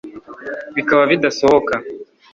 Bikaba bidasohoka